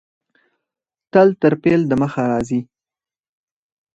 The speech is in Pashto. تل تر فعل د مخه راځي.